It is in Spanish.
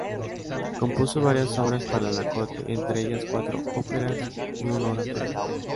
Compuso varias obras para la corte, entre ellas cuatro óperas y un oratorio.